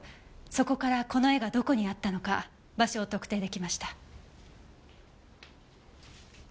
そこからこの絵がどこにあったのか場所を特定出来ました。